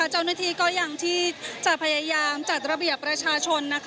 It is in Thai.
เจ้าหน้าที่ก็ยังที่จะพยายามจัดระเบียบประชาชน